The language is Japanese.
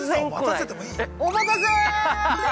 ◆お待たせ！